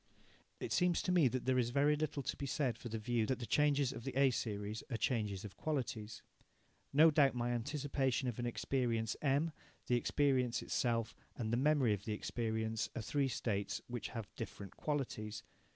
It seems to me that there is very little to be said for the view that the changes of the A series are changes of qualities. No doubt my anticipation of an experience M, the experience itself, and the memory of the experience are three states which have different qualities.